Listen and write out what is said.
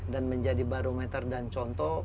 dan menjadi barometer dan contoh